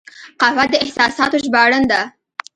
قهوه د احساساتو ژباړن ده